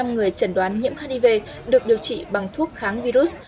chín mươi người chẩn đoán nhiễm hiv được điều trị bằng thuốc kháng virus